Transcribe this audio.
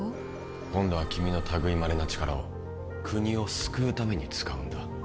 今度は君のたぐいまれな力を国を救うために使うんだ